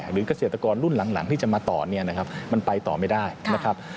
หรือกเกษตรกรรุ่นหลังที่จะมาต่อมันไปต่อไม่ได้นะครับ